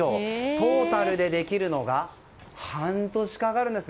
トータルでできるのが半年かかるんです。